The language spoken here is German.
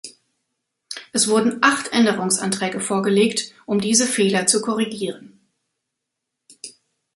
Es wurden acht Änderungsanträge vorgelegt, um diese Fehler zu korrigieren.